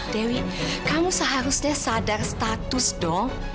dewi kamu seharusnya sadar status dong